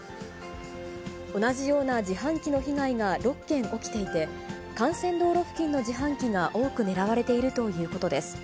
同じような自販機の被害が６件起きていて、幹線道路付近の自販機が多く狙われているということです。